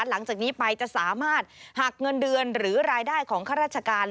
หลังจากนี้ไปจะสามารถหักเงินเดือนหรือรายได้ของข้าราชการ